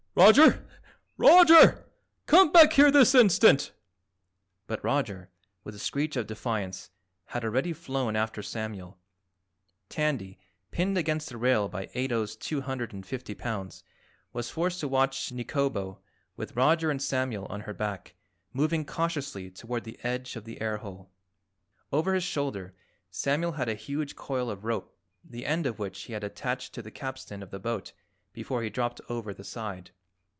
Roger! Roger! Come back here this instant." But Roger, with a screech of defiance, had already flown after Samuel. Tandy, pinned against the rail by Ato's two hundred and fifty pounds, was forced to watch Nikobo, with Roger and Samuel on her back, moving cautiously toward the edge of the air hole. Over his shoulder Samuel had a huge coil of rope the end of which he had attached to the capstan of the boat before he dropped over the side.